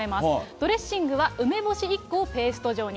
ドレッシングは梅干し１個をペースト状に。